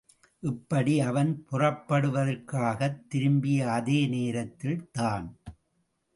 இப்படி அவன் புறப்படுவதற்காகத் திரும்பிய அதே நேரத்தில்தான்.